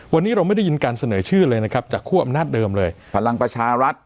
วันนี้เราไม่ได้ยินการเสนอชื่อเลยนะครับจากคั่วอำนาจเดิมเลยพลังประชารัฐ